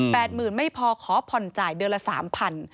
หมื่นไม่พอขอผ่อนจ่ายเดือนละสามพัน